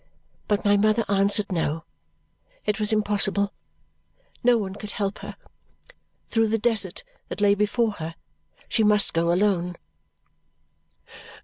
But my mother answered no, it was impossible; no one could help her. Through the desert that lay before her, she must go alone.